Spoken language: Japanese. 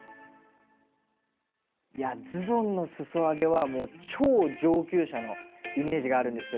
いやズボンのすそ上げはもう超上級者のイメージがあるんですけど。